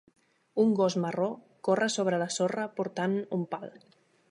Un gos marró corre sobre la sorra portant un pal.